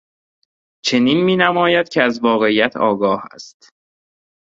چنین مینماید که از واقعیت آگاه است.